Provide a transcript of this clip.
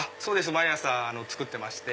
毎朝作ってまして。